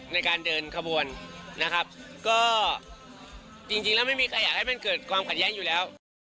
ในการเดินขบวนนะครับก็จริงแล้วไม่มีใครอยากให้มันเกิดความขัดแย้งอยู่แล้ว